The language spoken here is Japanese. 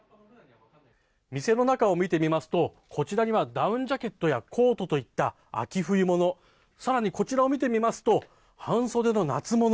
店の中を見てみますとこちらにはダウンジャケットやコートといった秋冬物更にこちらを見てみますと半袖の夏物